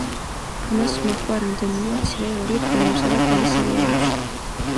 ამას მოჰყვა რამდენიმე მცირე როლი ფილმებსა და ტელესერიალებში.